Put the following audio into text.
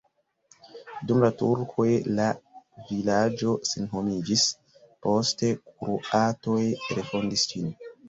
Dum la turkoj la vilaĝo senhomiĝis, poste kroatoj refondis ĝin.